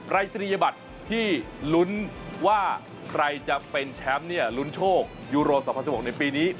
รายศนียบัตรที่ลุ้นว่าใครจะเป็นแชมป์เนี่ยลุ้นโชคยูโร๒๐๑๖ในปีนี้